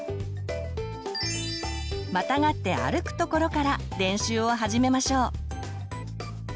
またがって歩くところから練習を始めましょう。